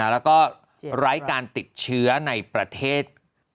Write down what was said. แล้วก็ไร้การติดเชื้อในประเทศ